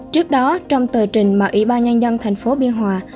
trước đó trong tờ trình mà ủy ban nhân dân thành phố biên hòa